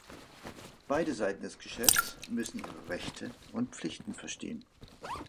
Beide Seiten des Geschäfts müssen ihre Rechte und Pflichten verstehen.